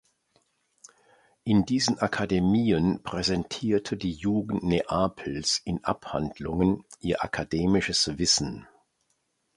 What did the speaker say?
In diesen Akademien präsentierte die Jugend Neapels in Abhandlungen ihr akademisches Wissen.